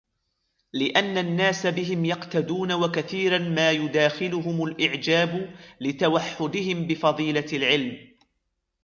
لِأَنَّ النَّاسَ بِهِمْ يَقْتَدُونَ وَكَثِيرًا مَا يُدَاخِلُهُمْ الْإِعْجَابُ لِتَوَحُّدِهِمْ بِفَضِيلَةِ الْعِلْمِ